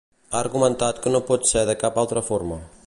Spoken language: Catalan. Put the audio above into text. Ha argumentat que no pot ser de cap altra forma.